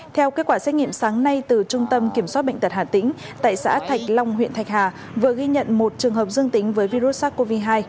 theo kết quả xét nghiệm sáng nay từ trung tâm kiểm soát bệnh tật hà tĩnh tại xã thạch long huyện thạch hà vừa ghi nhận một trường hợp dương tính với virus sars cov hai